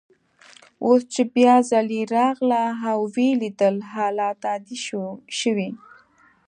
اوس چي بیا ځلې راغله او ویې لیدل، حالات عادي شوي.